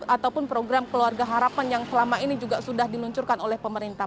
ataupun program keluarga harapan yang selama ini juga sudah diluncurkan oleh pemerintah